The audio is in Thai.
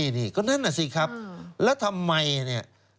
นี่ก็นั่นน่ะสิครับแล้วทำไมเนี่ย